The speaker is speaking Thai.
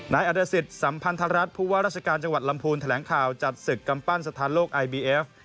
อเดอร์สิตสัมพันธรัฐผู้ว่าราชการจังหวัดลำพูนแถลงข่าวจัดศึกกำปั้นสถานโลกไอบีเอฟ